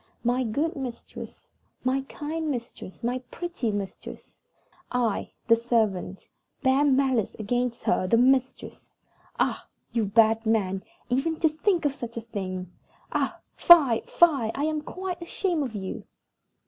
My good mistress, my kind mistress, my pretty mistress! I, the servant, bear malice against her, the mistress! Ah! you bad man, even to think of such a thing! Ah! fie, fie! I am quite ashamed of you!"